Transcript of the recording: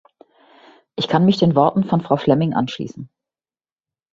Ich kann mich den Worten von Frau Flemming anschließen.